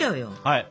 はい。